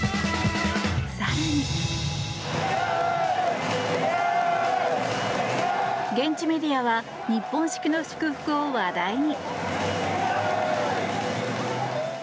更に現地メディアは日本式の祝福を話題に。